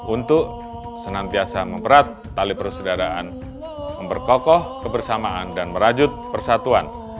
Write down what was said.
untuk senantiasa memperat tali persaudaraan memperkokoh kebersamaan dan merajut persatuan